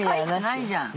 いいじゃん。